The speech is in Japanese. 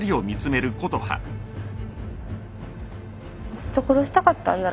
ずっと殺したかったんだろ？